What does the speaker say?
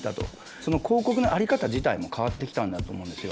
その広告の在り方自体も変わってきたんだと思うんですよ。